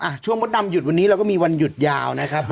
ช่วงมดดำหยุดวันนี้เราก็มีวันหยุดยาวนะครับ